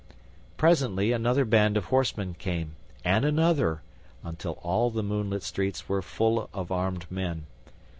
Presently another band of horsemen came, and another, until all the moonlit streets were full of armed men.